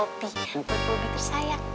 buat bobby tersayang ya